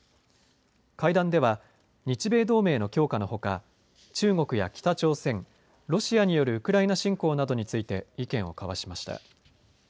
会談では、日米同盟の強化のほか、中国や北朝鮮、ロシアによるウクライナ侵攻などについて、意見を交わしました。